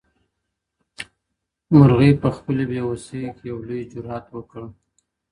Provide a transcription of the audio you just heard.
مرغۍ په خپلې بې وسۍ کې یو لوی جرات وکړ.